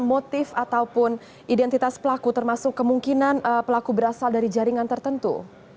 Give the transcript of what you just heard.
motif ataupun identitas pelaku termasuk kemungkinan pelaku berasal dari jaringan tertentu